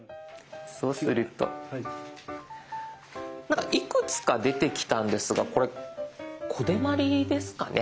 そうするといくつか出てきたんですがこれコデマリですかね。